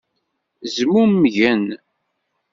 Zmumgen.